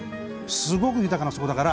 すごく豊かな底だから。